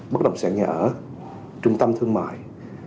bất động sản nhà ở trung tâm thương mại